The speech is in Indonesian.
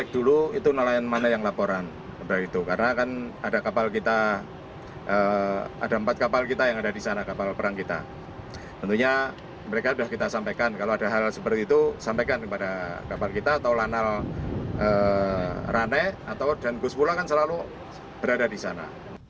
dan gus pulang kan selalu berada di sana